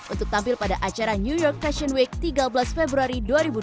untuk tampil pada acara new york fashion week tiga belas februari dua ribu dua puluh